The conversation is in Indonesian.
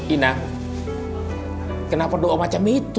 ina kenapa doa macam itu